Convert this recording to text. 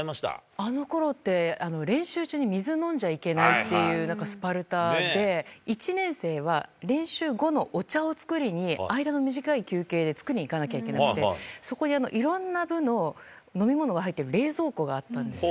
あのころって、練習中に水飲んじゃいけないっていうなんかスパルタで、１年生は練習後のお茶を作りに、間の短い休憩で作りに行かなきゃいけなくて、そこにいろんな部の飲み物が入ってる冷蔵庫があったんですよ。